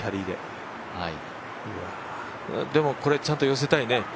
でもこれちゃんと寄せたいね。